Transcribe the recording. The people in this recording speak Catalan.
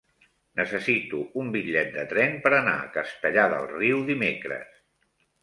Necessito un bitllet de tren per anar a Castellar del Riu dimecres.